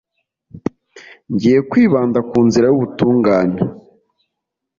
Ngiye kwibanda ku nzira y’ubutungane